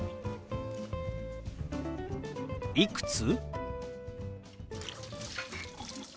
「いくつ？」。